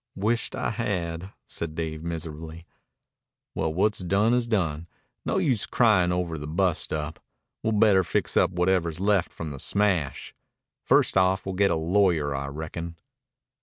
"Wisht I had," said Dave miserably. "Well, what's done's done. No use cryin' over the bust up. We'd better fix up whatever's left from the smash. First off, we'll get a lawyer, I reckon."